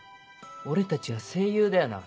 俺たちは声優だよな？